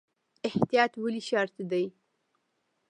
احتیاط ولې شرط دی؟